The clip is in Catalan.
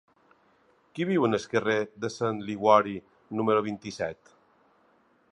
Qui viu al carrer de Sant Liguori número vint-i-set?